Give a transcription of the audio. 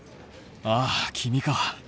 ああ君か。